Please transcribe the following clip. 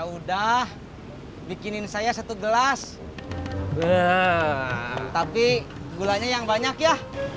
udah bikinin saya satu gelas tapi gulanya yang banyak ya